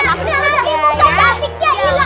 nanti bukan jantiknya ilang